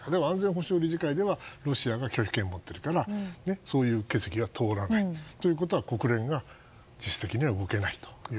安全保障理事会ではロシアが拒否権を持っているからそういう決議が通らない。ということは国連は実質的には動けない。